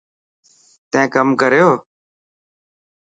تين ڪم ڪريو.